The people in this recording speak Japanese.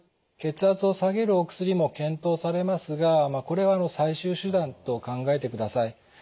血圧を下げるお薬も検討されますがこれは最終手段と考えてください。